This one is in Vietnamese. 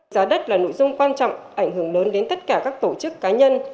giá đất là nội dung quan trọng ảnh hưởng lớn đến tất cả các tổ chức cá nhân